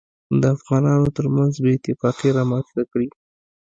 دافغانانوترمنځ بې اتفاقي رامنځته کړي